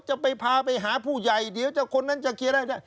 จะไปพาไปหาผู้ใหญ่เดี๋ยวคนนั้นจะเคลียร์อะไรได้